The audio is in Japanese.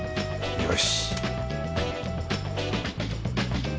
よし！